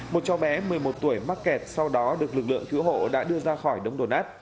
một cháu bé một mươi một tuổi mắc kẹt sau đó được lực lượng cứu hộ đã đưa ra khỏi đống đổ nát